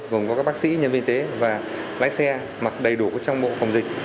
gồm các bác sĩ nhân viên y tế và lái xe đầy đủ trong bộ phòng dịch